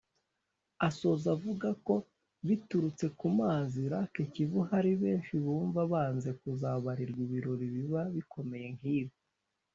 Asoza avuga ko biturutse ku mazi (lac Kivu) hari benshi bumva banze kuzabarirwa ibirori biba bikomeye nk’ibi